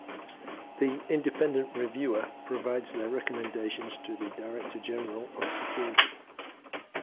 The Independent Reviewer provides their recommendations to the Director-General of Security.